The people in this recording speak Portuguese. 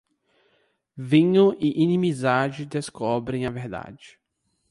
Vinho e inimizade descobrem a verdade.